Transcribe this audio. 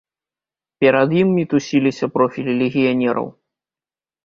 Перад ім мітусіліся профілі легіянераў.